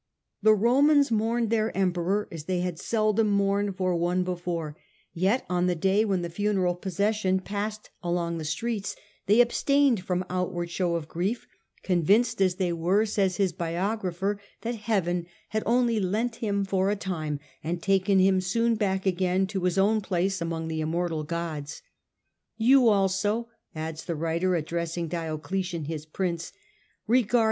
The Romans mourned their Emperor as they had seldom mourned for one before, yet on the day when the t the at procession passed along the streets ^efofhls they abstained from outward show of grief, subjects. convinced as they were, says his biographer, that heaven had only lent him for a time, and taken him soon back again to his own place among the immortal jui. Capito gods, ^ You also,' adds the writer, addressing Uni, c. 19. Diocletian his prince, ' regard M.